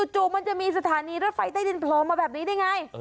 จะมีสถานีรถไฟใต้ดินพร้อมมาแบบนี้ไหนไง